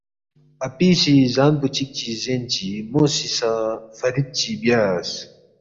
اپی سی زان پو چِک چی زین چی مو سی سہ فرِت چی بیاس